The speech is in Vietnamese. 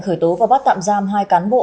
khởi tố và bắt tạm giam hai cán bộ